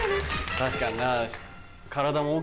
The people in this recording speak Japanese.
確かにな。